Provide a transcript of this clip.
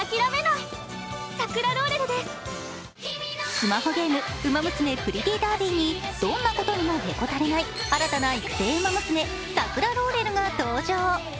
スマホゲーム「ウマ娘プリティーダービー」にどんなことにもへこたれない新たな育成ウマ娘、サクラローレルが登場。